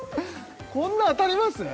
こんな当たります？